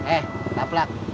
eh tak pelak